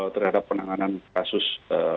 terhadap penanganan kasus ee